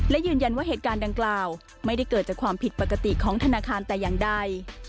และยืนยันว่าเหตุการณ์ดังกล่าวไม่ได้เกิดจากความผิดปกติของธนาคารแต่อย่างใด